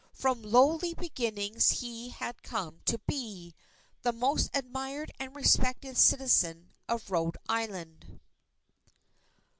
From lowly beginnings he had come to be ... the most admired and respected citizen of Rhode Island."